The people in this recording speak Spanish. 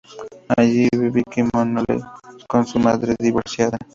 Allí vive Vicky Maloney, con su madre divorciada.